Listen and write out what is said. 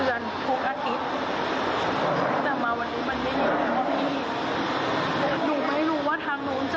กับการที่หนูต้องมาเสียหัวเราะต่อคนหนึ่ง